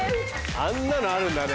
あんなのあるんだね。